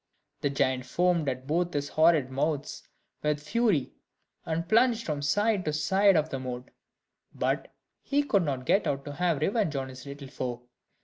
The giant foamed at both his horrid mouths with fury, and plunged from side to side of the moat; but he could not get out to have revenge on his little foe.